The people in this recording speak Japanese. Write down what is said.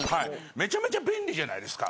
めちゃめちゃ便利じゃないですか。